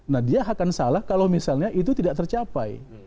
nah dia akan salah kalau misalnya itu tidak tercapai